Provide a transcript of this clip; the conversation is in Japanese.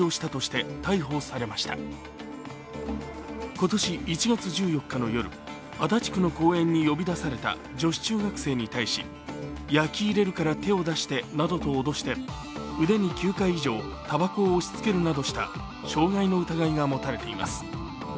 今年１月１４日の夜、足立区の公園に呼び出された女子中学生に対し、ヤキ入れるから手を出してなどと脅して腕に９回以上たばこを押しつけるなどした傷害の疑いが持たれています。